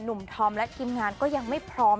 ธอมและทีมงานก็ยังไม่พร้อม